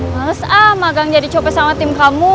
maes ah magang jadi copet sama tim kamu